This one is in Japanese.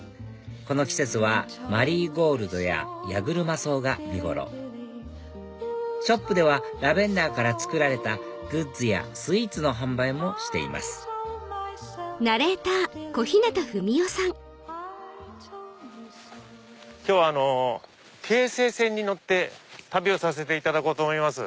この季節はマリーゴールドやヤグルマソウが見頃ショップではラベンダーから作られたグッズやスイーツの販売もしています今日は京成線に乗って旅をさせていただこうと思います。